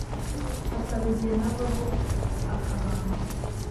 hakaba igihe havaho akabango